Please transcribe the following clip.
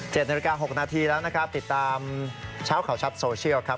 นาฬิกาหกนาทีแล้วนะครับติดตามเช้าข่าวชัดโซเชียลครับ